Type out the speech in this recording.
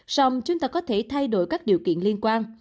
xong chúng ta có thể thay đổi các điều kiện liên quan